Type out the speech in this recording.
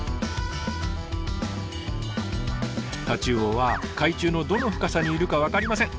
タチウオは海中のどの深さにいるか分かりません。